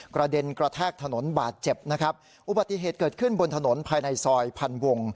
กระเด็นกระแทกถนนบาดเจ็บนะครับอุบัติเหตุเกิดขึ้นบนถนนภายในซอยพันวง